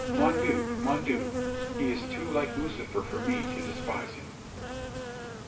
Mon Dieu mon Dieu! He is too like Lucifer for me to despise him!"